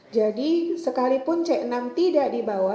jadi sekalipun c enam tidak dibawa